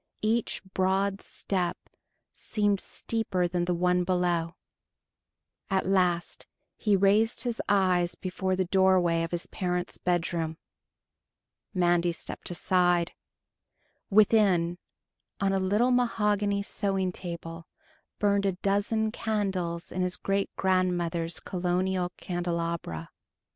Each broad step seemed steeper than the one below. At last he raised his eyes before the doorway of his parents' bedroom. Mandy stepped aside. Within, on a little mahogany sewing table, burned a dozen candles in his great grandmother's Colonial candelabra.